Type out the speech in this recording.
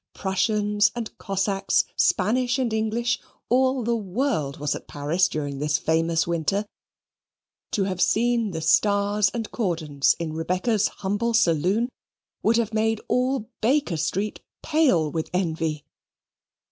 Prussians and Cossacks, Spanish and English all the world was at Paris during this famous winter: to have seen the stars and cordons in Rebecca's humble saloon would have made all Baker Street pale with envy.